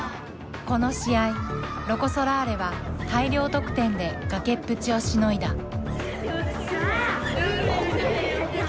この試合ロコ・ソラーレは大量得点で崖っぷちをしのいだ。